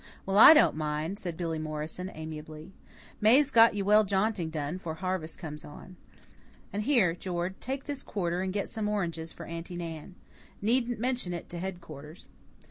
"Well, I don't mind," said Billy Morrison amiably. "May's well get you jaunting done 'fore harvest comes on. And here, Jord; take this quarter and get some oranges for Aunty Nan. Needn't mention it to headquarters."